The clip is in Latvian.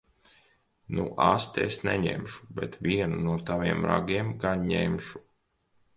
Nu asti es neņemšu. Bet vienu no taviem ragiem gan ņemšu.